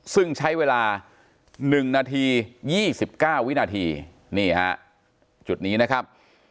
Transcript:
ซึ่งใช้เวลา๑นาที๒๙วินาทีนี่ฮะจุดนี้นะครับ